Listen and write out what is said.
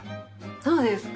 そうですか？